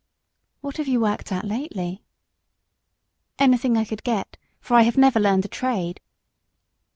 "What have you worked at lately?" "Anything I could get, for I have never learned a trade."